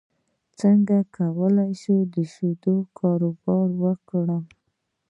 څنګه کولی شم د شیدو کاروبار وکړم